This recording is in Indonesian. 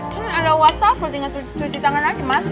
kan ada wastafel tinggal cuci tangan aja mas